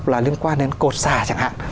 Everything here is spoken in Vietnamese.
là liên quan đến cột xà chẳng hạn